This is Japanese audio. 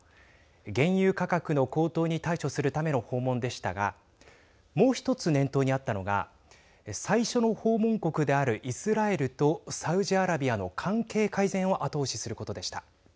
原油価格の高騰に対処するための訪問でしたがもう一つ念頭にあったのが最初の訪問国であるイスラエルとサウジアラビアの関係改善を後押しすることでした。